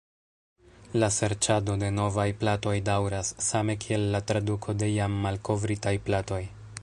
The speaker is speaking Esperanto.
La serĉado de novaj platoj daŭras, same kiel la traduko de jam malkovritaj platoj.